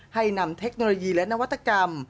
นำเทคโนโลยีและนวัตกรรม